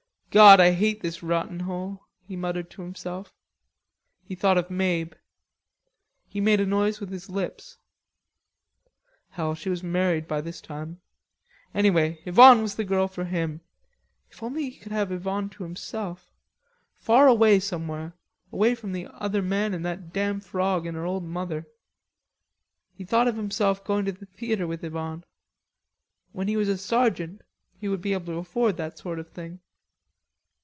"God, I hate this rotten hole," he muttered to himself. He thought of Mabe. He made a noise with his lips. Hell, she was married by this time. Anyway Yvonne was the girl for him. If he could only have Yvonne to himself; far away somewhere, away from the other men and that damn frog and her old mother. He thought of himself going to the theatre with Yvonne. When he was a sergeant he would be able to afford that sort of thing.